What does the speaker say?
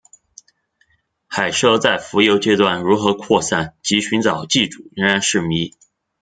海虱在浮游阶段如何扩散及寻找寄主仍然是迷。